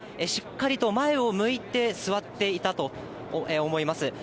今村容疑者はしっかりと前を向いて座っていたと思います。